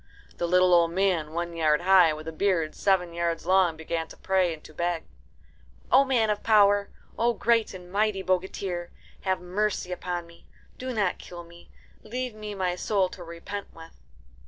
The little old man, one yard high, with a beard seven yards long, began to pray and to beg, "O man of power, O great and mighty bogatir, have mercy upon me. Do not kill me. Leave me my soul to repent with."